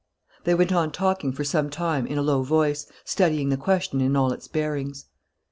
They went on talking for some time, in a low voice, studying the question in all its bearings.